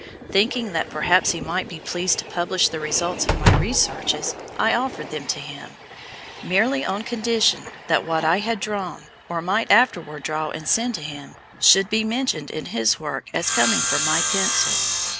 "Thinking that perhaps he might be pleased to publish the results of my researches, I offered them to him, merely on condition that what I had drawn, or might afterward draw and send to him, should be mentioned in his work as coming from my pencil.